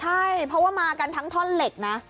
ใช่เพราะว่ามากันทั้งท่อนเหล็กนะ